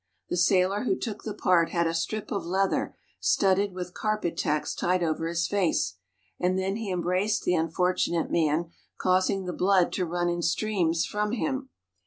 '' The sailor who took the part had a strip of leather studded with carpet tacks tied over his face, and then he embraced the unfortunate man, causing the blood to run in streams from him.